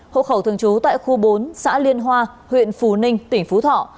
hộ khẩu thường trú tại khu bốn xã liên hoa huyện phù ninh tỉnh phú thọ